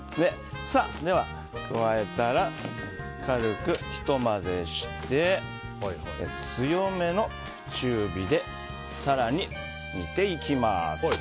では加えたら軽くひと混ぜして強めの中火で更に煮ていきます。